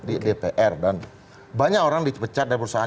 di dpr dan banyak orang dipecat dari perusahaan